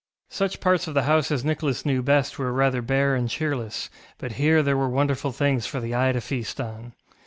Such parts of the house as Nicholas knew best were rather bare and cheerless, but here there were wonderful things for the eye to feast on.